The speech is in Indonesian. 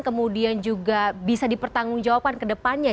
kemudian juga bisa dipertanggung jawaban kedepannya